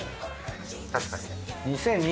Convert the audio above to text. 確かに。